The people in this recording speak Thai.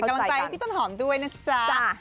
กำลังใจให้พี่ต้นหอมด้วยนะจ๊ะ